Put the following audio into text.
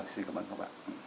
xin cảm ơn các bạn